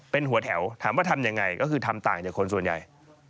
เป็นหัวแถวถามว่าทำยังไงก็คือทำต่างจากคนส่วนใหญ่